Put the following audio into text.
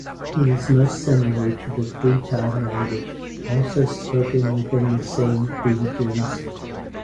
It is most similar to the Phuthai language also spoken within the same regions.